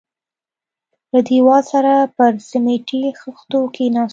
له دېواله سره پر سميټي خښتو کښېناستو.